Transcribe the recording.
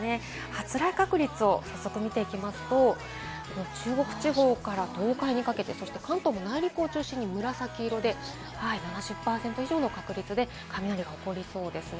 発雷確率を早速見ていきますと、中国地方から東海にかけて関東も内陸を中心に紫色で７０％以上の確率で雷が起こりそうです。